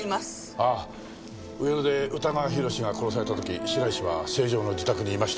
ああ上野で宇田川宏が殺された時白石は成城の自宅にいました。